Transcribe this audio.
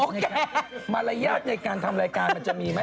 รมันรยาทในการทำรายการมั๊ยจะมีไหม